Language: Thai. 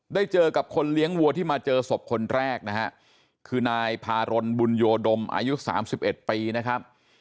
เจอกับคนเลี้ยงวัวที่มาเจอศพคนแรกนะฮะคือนายพารนบุญโยดมอายุ๓๑ปีนะครับ